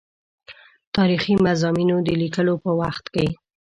تاریخي مضامینو د لیکلو په وخت کې.